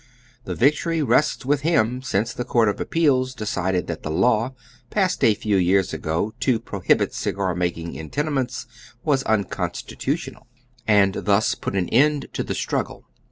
Tiie victory rests with him, since the Court of Appeals decided that the law, passed a few years ago, to prohibit cigarmaking in tenements was unconstitutional, and thus put an end to the struggle.